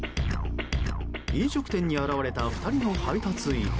飲食店に現れた２人の配達員。